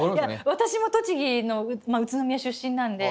私も栃木の宇都宮出身なんで。